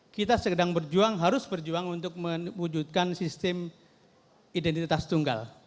kita sedang berjuang harus berjuang untuk mewujudkan sistem identitas tunggal